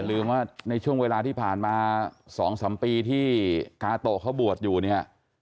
ลืมว่าในช่วงเวลาที่ผ่านมา๒๓ปีที่กาโตะเขาบวชอยู่เนี่ย